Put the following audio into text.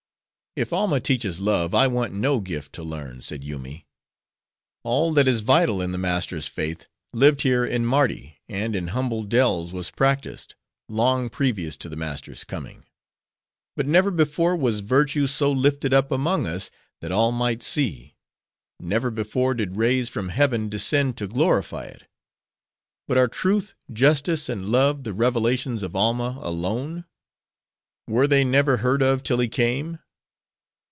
"If Alma teaches love, I want no gift to learn," said Yoomy. "All that is vital in the Master's faith, lived here in Mardi, and in humble dells was practiced, long previous to the Master's coming. But never before was virtue so lifted up among us, that all might see; never before did rays from heaven descend to glorify it, But are Truth, Justice, and Love, the revelations of Alma alone? Were they never heard of till he came?